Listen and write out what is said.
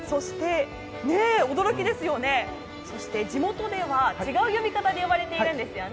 驚きですよね、地元では違う呼び方で呼ばれているんですよね。